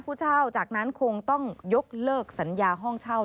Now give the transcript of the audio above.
ผู้เช่าจากนั้นคงต้องยกเลิกสัญญาห้องเช่า